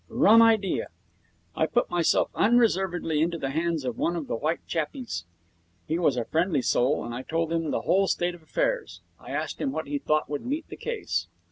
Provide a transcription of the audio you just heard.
Rum idea! I put myself unreservedly into the hands of one of the white chappies. He was a friendly soul, and I told him the whole state of affairs. I asked him what he thought would meet the case.